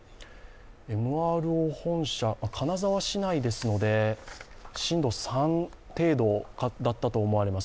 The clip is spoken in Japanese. ＭＲＯ本社、金沢市内ですので震度３程度だったと思います。